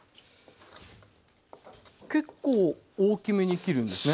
結構大きめに切るんですね。